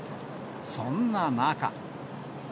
そんな中。